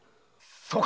そうか！